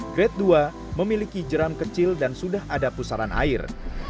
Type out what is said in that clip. grade dua memiliki jeram kecil dan sudah ada pusaran air